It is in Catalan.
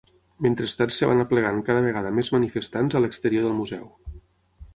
Mentrestant es van aplegant cada vegada més manifestants a l’exterior del museu.